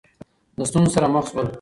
د ستونزو سره مخ شول